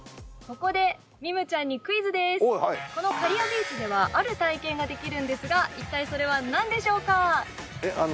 このカリアビーチではある体験ができるんですが一体それは何でしょうか？